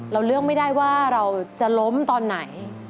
เราเลือกไม่ได้ว่าเราจะล้มตอนไหน